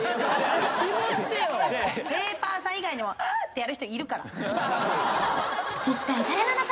ペーパーさん以外にも「アー」ってやる人いるから一体誰なのか？